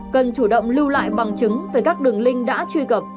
cần chủ động lưu lại bằng chứng về các đường link đã truy cập